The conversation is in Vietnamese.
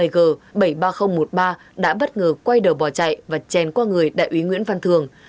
hai mươi g bảy mươi ba nghìn một mươi ba đã bất ngờ quay đầu bỏ chạy và chèn qua người đại úy nguyễn văn thường